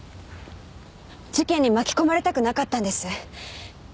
事件に巻き込まれたくなかったんです。